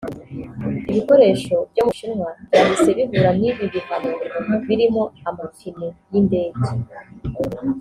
Ibikoresho byo mu Bushinwa byahise bihura n’ibi bihano birimo amapine y’indege